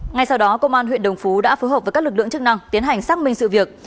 ngay sau đó công an huyện đồng phú đã phối hợp với các lực lượng chức năng tiến hành xác minh sự việc